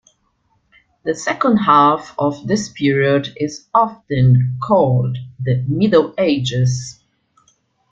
The second half of this period is often called the Middle Ages.